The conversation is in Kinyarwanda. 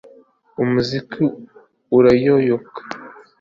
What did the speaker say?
Umuziki urayoyoka